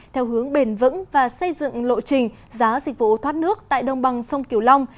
theo hướng bền vững và xây dựng lộ trình giá dịch vụ thoát nước tại đồng bằng sông kiều long